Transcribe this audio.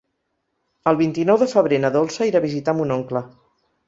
El vint-i-nou de febrer na Dolça irà a visitar mon oncle.